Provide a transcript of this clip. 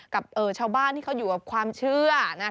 กับชาวบ้านที่เขาอยู่กับความเชื่อ